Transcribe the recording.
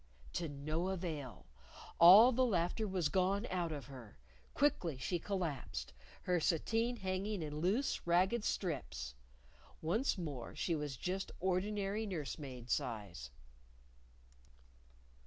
To no avail! All the laughter was gone out of her. Quickly she collapsed, her sateen hanging in loose, ragged strips. Once more she was just ordinary nurse maid size.